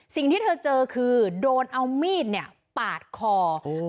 สิ่งที่เธอเจอคือโดนเอามีดเนี่ยปาดคออืม